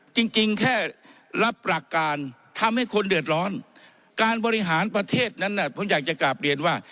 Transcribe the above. จริงแค่รับหลักการทำให้คนเดือดร้อนการบริหารประเทศนั้นผมอยากจะกลับเรียนว่า